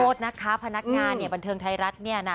ขอโทษนะครับพนักงานบันเทิงไทยรัฐเนี่ยนะ